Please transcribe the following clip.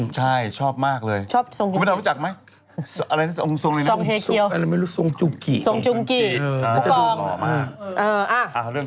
ใช่ชอบมากเลยมึงรู้จักไหมอะไรซองเฮเคียวซองจุงกิผู้กรอง